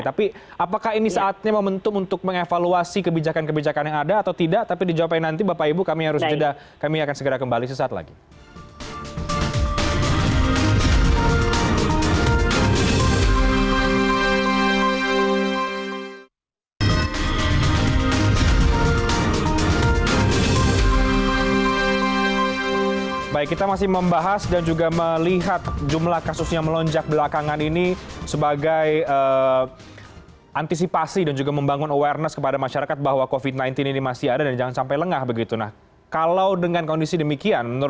tapi apakah ini saatnya momentum untuk mengevaluasi kebijakan kebijakan yang ada atau tidak